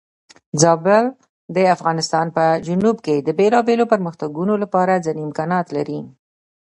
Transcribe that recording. زابل د افغانستان په جنوب کې د بېلابېلو پرمختګونو لپاره ځینې امکانات لري.